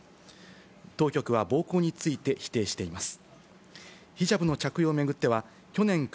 当局は暴行について、否定しています。